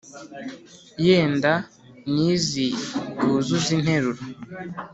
yenda n’iz’i bwuzuze interuro*